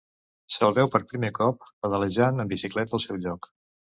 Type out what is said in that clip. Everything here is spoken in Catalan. Se'l veu per primer cop pedalejant en bicicleta al seu lloc.